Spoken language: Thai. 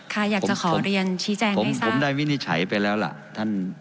ค่ะอยากจะขอเรียนชี้แจงผมผมได้วินิจฉัยไปแล้วล่ะท่าน